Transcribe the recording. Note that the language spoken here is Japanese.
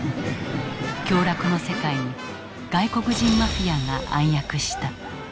享楽の世界に外国人マフィアが暗躍した。